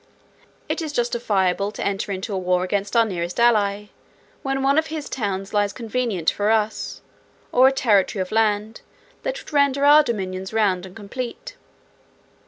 It is justifiable to enter into war against our nearest ally, when one of his towns lies convenient for us, or a territory of land, that would render our dominions round and complete.